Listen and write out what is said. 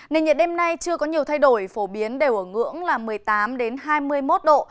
nền nhiệt đêm nay chưa có nhiều thay đổi phổ biến đều ở ngưỡng là một mươi tám hai mươi một độ